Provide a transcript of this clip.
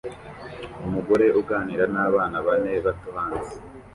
Umugore uganira nabana bane bato hanze